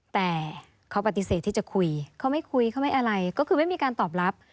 แต่เขาปฏิเสธที่จะคุยเขาไม่คุยเขาไม่อะไรก็คือไม่มีการตอบรับ